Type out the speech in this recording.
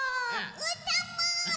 うーたんも！